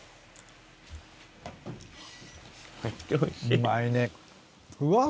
うまいね。